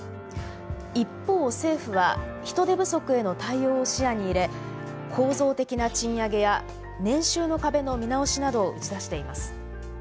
一方政府は人手不足への対応を視野に入れ構造的な賃上げや「年収の壁」の見直しなどを打ち出しています。